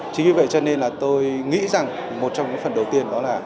chính vì vậy cho nên là tôi nghĩ rằng một trong những phần đầu tiên đó là